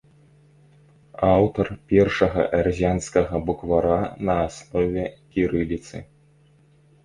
Аўтар першага эрзянскага буквара на аснове кірыліцы.